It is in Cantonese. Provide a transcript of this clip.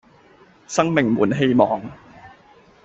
生命滿希望